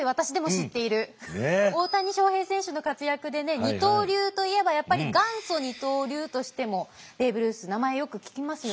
大谷翔平選手の活躍でね二刀流といえばやっぱり元祖二刀流としてもベーブ・ルース名前よく聞きますよね。